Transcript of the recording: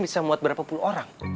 bisa muat berapa puluh orang